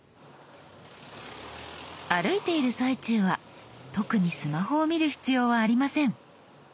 歩いている最中は特にスマホを見る必要はありません。